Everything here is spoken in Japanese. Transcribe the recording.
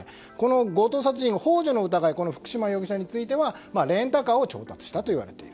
強盗殺人幇助の疑いこの福島容疑者についてはレンタカーを調達したといわれている。